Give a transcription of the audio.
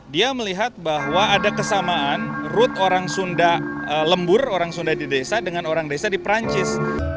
dia melihat bahwa ada kesamaan rooth orang sunda lembur orang sunda di desa dengan orang desa di perancis